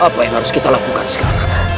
apa yang harus kita lakukan sekarang